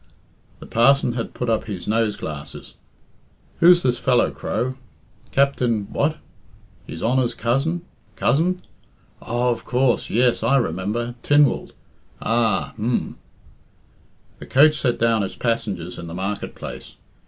The parson had put up his nose glasses. "Who's this fellow, Crow? Captain what? His honour's cousin? Cousin? Oh, of course yes I remember Tynwald ah h'm!" The coach set down its passengers in the market place.